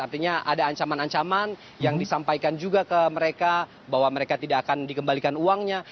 artinya ada ancaman ancaman yang disampaikan juga ke mereka bahwa mereka tidak akan dikembalikan uangnya